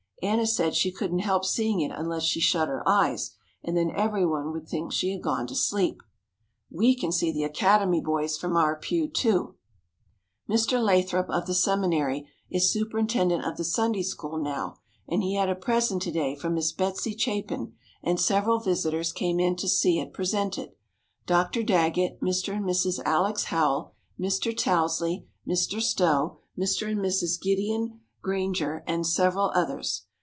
Anna said she couldn't help seeing it unless she shut her eyes, and then every one would think she had gone to sleep. We can see the Academy boys from our pew, too. Mr. Lathrop, of the seminary, is superintendent of the Sunday School now and he had a present to day from Miss Betsey Chapin, and several visitors came in to see it presented: Dr. Daggett, Mr. and Mrs. Alex. Howell, Mr. Tousley, Mr. Stowe, Mr. and Mrs. Gideon Granger and several others.